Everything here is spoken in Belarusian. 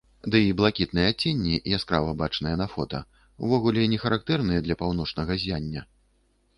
Дый блакітныя адценні, яскрава бачныя на фота, увогуле не характэрныя для паўночнага ззяння.